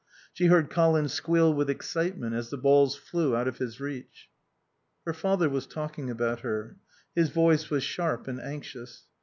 She heard Colin squeal with excitement as the balls flew out of his reach. Her father was talking about her. His voice was sharp and anxious.